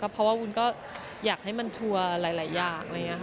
เพราะว่าคุณก็อยากให้มันชัวร์หลายอย่างเป็นอย่างงี้ค่ะ